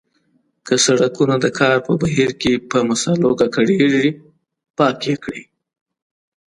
که سړکونه د کار په بهیر کې په مسالو ککړیږي پاک یې کړئ.